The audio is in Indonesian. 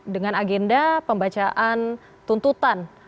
dengan agenda pembacaan tuntutan